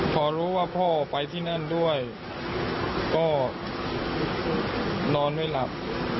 พอรู้ว่าพ่อไปที่นั่นด้วยก็นอนไม่หลับ